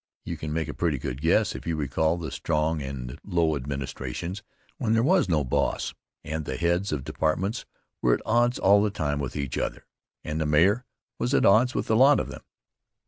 You can make a pretty good guess if you recall the Strong and Low administrations when there was no boss, and the heads of departments were at odds all the time with each other, and the Mayor was at odds with the lot of them.